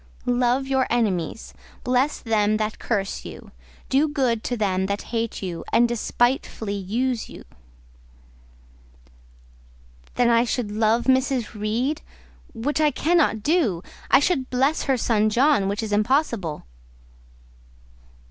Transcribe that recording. "Love your enemies; bless them that curse you; do good to them that hate you and despitefully use you." "Then I should love Mrs. Reed, which I cannot do; I should bless her son John, which is impossible."